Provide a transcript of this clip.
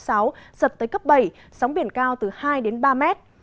giật tới cấp bảy sóng biển cao từ hai đến ba mét